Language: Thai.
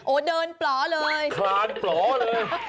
โอ้โหเดินปลอเลยคลานปลอเลย